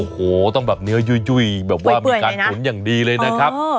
โอ้โหต้องแบบเนื้อยุ่ยแบบว่ามีการตุ๋นอย่างดีเลยนะครับ